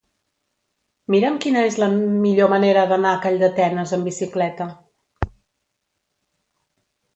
Mira'm quina és la millor manera d'anar a Calldetenes amb bicicleta.